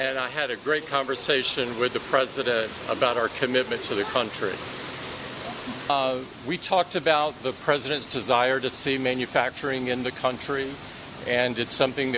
tim cook juga menyebut presiden telah membangun pabrik di indonesia